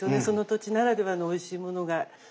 その土地ならではのおいしいものが。